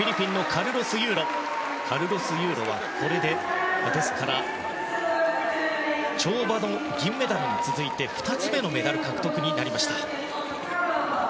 カルロス・ユーロはこれで、跳馬の銀メダルに続いて２つ目のメダル獲得になりました。